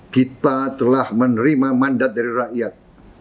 kita telah menerima mandat dari rakyat